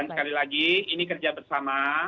dan sekali lagi ini kerja bersama